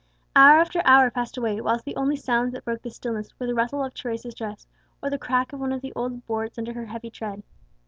Hour after hour passed away, whilst the only sounds that broke the stillness were the rustle of Teresa's dress, or the crack of one of the old boards under her heavy tread.